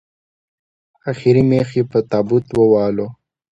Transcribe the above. اخري مېخ یې په تابوت ووهلو